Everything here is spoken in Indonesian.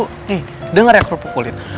hei denger ya krupuk kulit